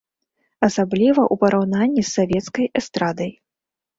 Асабліва ў параўнанні з савецкай эстрадай.